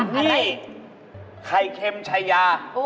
นี่ไข่เค็มชายา